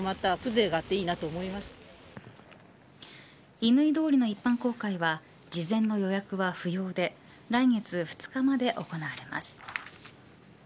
乾通りの一般公開は事前の予約は不要で来月２日まで行われます。